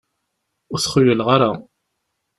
Ur t-xuyleɣ ara.